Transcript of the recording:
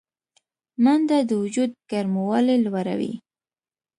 منډه د وجود ګرموالی لوړوي